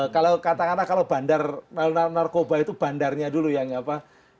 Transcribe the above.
kalau katakanlah kalau bandar narkoba itu bandarnya dulu yang apa